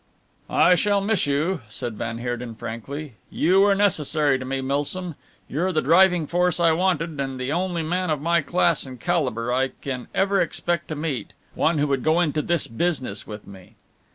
"I shall miss you," said van Heerden frankly, "you were necessary to me, Milsom. You're the driving force I wanted, and the only man of my class and calibre I can ever expect to meet, one who would go into this business with me."